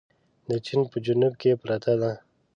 د چين په جنوب کې پرته ده.